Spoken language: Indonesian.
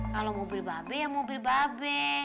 kalau mobil mbak be ya mobil mbak be